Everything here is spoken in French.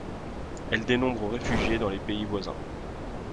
Elle dénombre réfugiés dans les pays voisins.